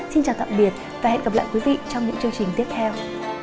xin chào tạm biệt và hẹn gặp lại quý vị trong những chương trình tiếp theo